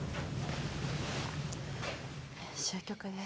終局です。